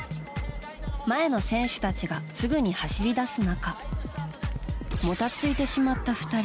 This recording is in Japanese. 前の選手たちがすぐに走り出す中もたついてしまった２人。